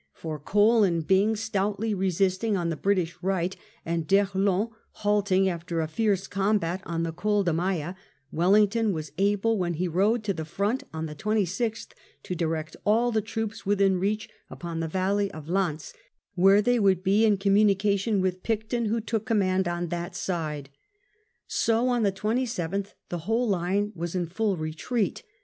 For Cole and Byng stoutly resisting on the British rights and d'Erlon halting after a fierce combat on the Col de Maya^ Wellington was able, when he rode to the front on the 26th, to direct all the troops within reach upon the valley of Lanz, where they would be in communication with Picton who took command on that side. So on the 27th the whole line was in full retreat.